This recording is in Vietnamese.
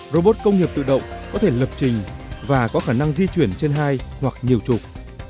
robot công nghiệp tự động có thể lập trình và có khả năng di chuyển trên hai hoặc nhiều trục